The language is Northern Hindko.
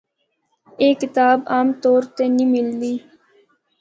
اے کتاب عام طور تے نیں ملدی۔